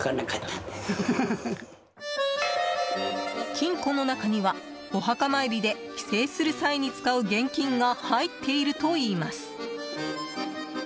金庫の中にはお墓参りで帰省する際に使う現金が入っているといいます。